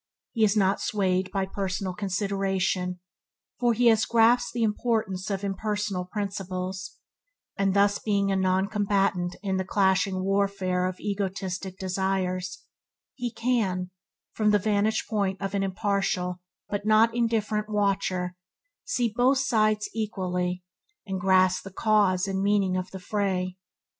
He is not swayed by personal consideration, for he has grasped the import of impersonal principles, and being thus a noncombatant in the clashing warfare of egotistic desires, he can, from the vantage ground of an impartial but not indifferent watcher, see both sides equally, and grasp the cause and meaning of the fray.